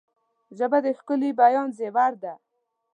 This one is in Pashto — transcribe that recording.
ژبه د ښکلي بیان زیور ده